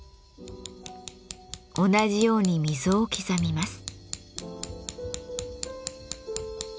同じように溝を刻みます。